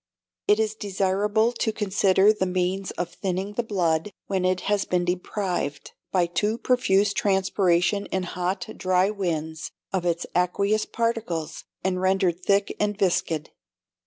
It is desirable to consider the means of thinning the blood, when it has been deprived, by too profuse transpiration in hot, dry winds, of its aqueous particles, and rendered thick and viscid.